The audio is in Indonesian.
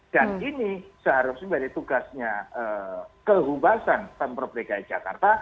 dan ini seharusnya dari tugasnya kehubasan pemprov bk jakarta